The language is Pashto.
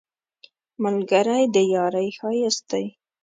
ملګری د یارۍ ښایست دی